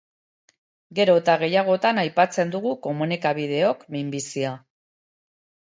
Gero eta gehiagotan aipatzen dugu komunikabideok minbizia.